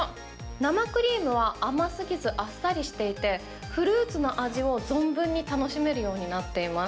生クリームは甘すぎずあっさりしていて、フルーツの味を存分に楽しめるようになっています。